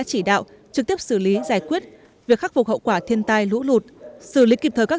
chỉ đạo trực tiếp xử lý giải quyết việc khắc phục hậu quả thiên tai lũ lụt xử lý kịp thời các